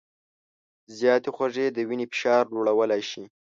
زیاتې خوږې د وینې فشار لوړولی شي.